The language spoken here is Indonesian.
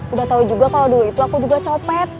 udah tahu juga kalau dulu itu aku juga copet